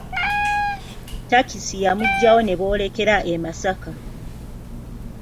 Takisi yamuggyawo ne boolekera e Masaka.